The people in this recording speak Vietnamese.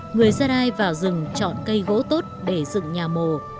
người gia lai vào rừng chọn cây gỗ tốt để dựng nhà mồ